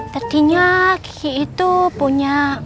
tadinya kiki itu punya